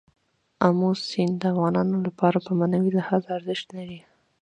آمو سیند د افغانانو لپاره په معنوي لحاظ ارزښت لري.